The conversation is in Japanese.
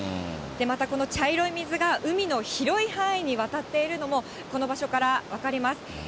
またこの茶色い水が、海の広い範囲に渡っているのも、この場所から分かります。